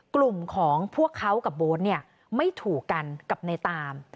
กลุ่มของพวกเขากับโบ๊ทเนี่ยไม่ถูกกันกับในตาม